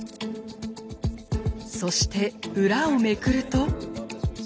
そして裏をめくると。